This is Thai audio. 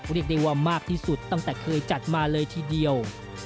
เรียกได้ว่ามากที่สุดตั้งแต่เคยจัดมาเลยทีเดียว